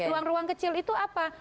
ruang ruang kecil itu apa